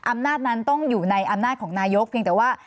อำนาจนั้นต้องอยู่ในอำนาจของนายกเพียงแต่ว่า